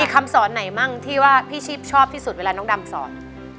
คำสอนไหนมั่งที่ว่าพี่ชีพชอบที่สุดเวลาน้องดำสอน